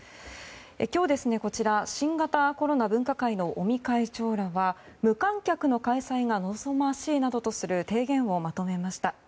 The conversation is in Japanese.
今日、新型コロナ分科会の尾身会長らが無観客の開催が望ましいなどとする提言をまとめました。